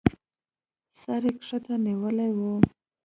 سر يې کښته نيولى و.